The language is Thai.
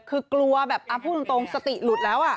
คือกลัวแบบพูดตรงสติหลุดแล้ว